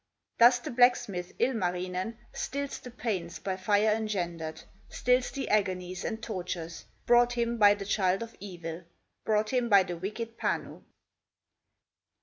Thus the blacksmith, Ilmarinen, Stills the pains by fire engendered, Stills the agonies and tortures Brought him by the child of evil, Brought him by the wicked Panu.